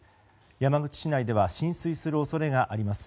山口市内では浸水する恐れがあります。